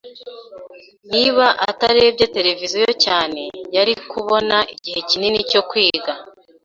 Niba atarebye televiziyo cyane, yari kubona igihe kinini cyo kwiga.